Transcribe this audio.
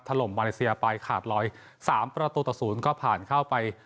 ลมมาเลเซียไปขาดรอย๓ประตูต่อ๐ก็ผ่านเข้าไป